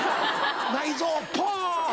内臓ポン！